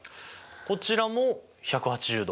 こちらも１８０°。